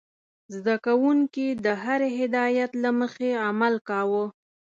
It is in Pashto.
زده کوونکي د هرې هدايت له مخې عمل کاوه.